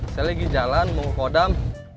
saya lagi jalan mau kodam